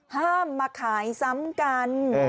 ห้ามมาขายซ้ำกัน